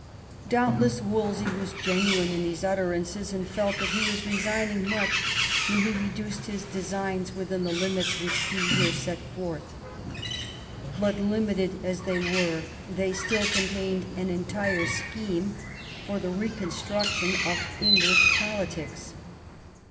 "" Doubtless Wolsey was genuine in these utterances, and felt that he was resigning much when he reduced his designs within the limits which he here set forth. But limited as they were, they still con tained an entire scheme for the reconstruction of English politics.